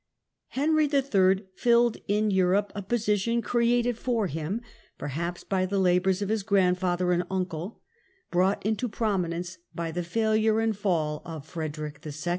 Henry III. "filled in Europe a position created for him perhaps by the labours of his grandfather and uncle, brought into prominence by the failure and fall of Frederick II.